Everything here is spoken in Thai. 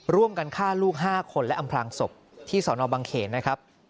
ร่วมกันฆ่าลูก๕คนและอำพลางศพที่สอนอบังเขนนะครับ